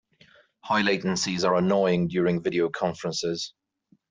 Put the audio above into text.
High latencies are annoying during video conferences.